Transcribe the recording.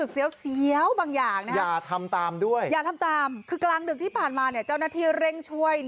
เดี๋ยวผมนั่ง